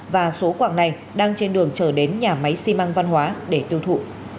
và số khoảng này đang trên đường chở đến nhà máy xi măng văn hóa để tiêu thụ